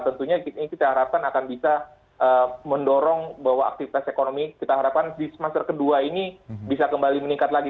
tentunya ini kita harapkan akan bisa mendorong bahwa aktivitas ekonomi kita harapkan di semester kedua ini bisa kembali meningkat lagi